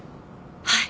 はい。